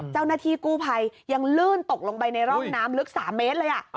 เจ้าหน้าที่กู้ภัยยังลื่นตกลงไปในร่องน้ำลึก๓เมตรเลย